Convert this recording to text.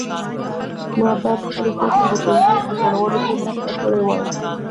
ما باید خپلې خور ته د پنبې په ټولولو کې مرسته کړې وای.